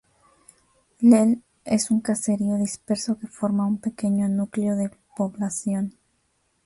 Lel es un caserío disperso que forma un pequeño núcleo de población.